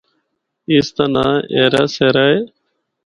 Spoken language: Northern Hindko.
اس دا ناں ایرا سیرا اے۔